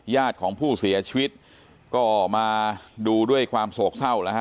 ญาติของผู้เสียชีวิตก็มาดูด้วยความโศกเศร้าแล้วฮะ